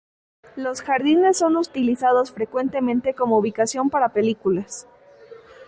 Los jardines son utilizados frecuentemente como ubicación para películas.